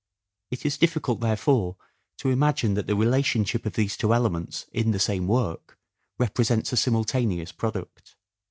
It is difficult, therefore, to imagine that the relationship of these two elements in the same work represents a simultaneous product.